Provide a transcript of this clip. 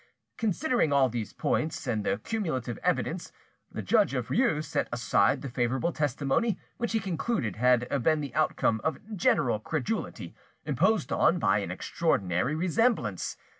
Considering all these points, and the cumulative evidence, the judge of Rieux set aside the favourable testimony, which he concluded had been the outcome of general credulity, imposed on by an extraordinary resemblance.